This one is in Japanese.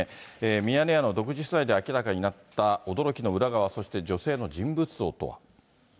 ミヤネ屋の独自取材で明らかになった驚きの裏側、そして女性の人物像とは。